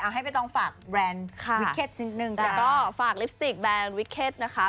เอาให้ใบตองฝากแบรนด์วิเคชนิดนึงค่ะ